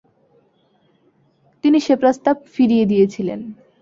তিনি সে প্রস্তাব ফিরিয়ে দিয়েছিলেন।